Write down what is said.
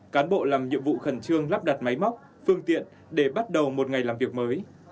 cán bộ làm nhiệm vụ khẩn trương lắp đặt máy móc phương tiện để bắt đầu một ngày làm việc mới